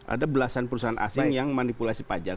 ada belasan perusahaan asing yang manipulasi pajak